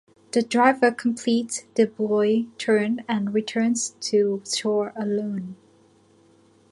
The driver completes the buoy turn and returns to shore alone.